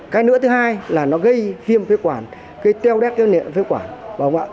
cái nữa thứ hai là nó gây viêm phế quản gây teo đét teo nịa phế quản